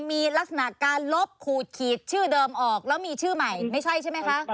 มีลักษณะการลบขูดขีดชื่อเดิมออกแล้วมีชื่อใหม่ไม่ใช่ใช่ไหมคะ